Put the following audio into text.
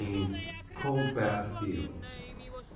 COLDBATH FIELDS.